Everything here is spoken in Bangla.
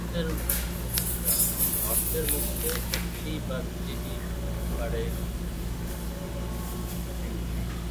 গর্তের মধ্যে একটি বা দুটি ডিম পাড়ে কিউই।